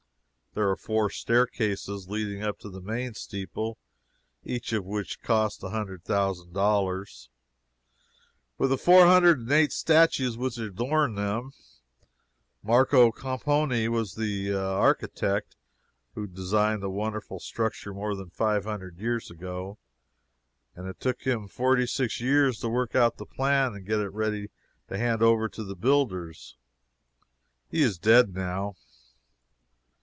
There are four staircases leading up to the main steeple, each of which cost a hundred thousand dollars, with the four hundred and eight statues which adorn them. Marco Compioni was the architect who designed the wonderful structure more than five hundred years ago, and it took him forty six years to work out the plan and get it ready to hand over to the builders. He is dead now.